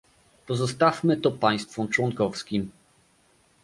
Pozostawmy to państwom członkowskim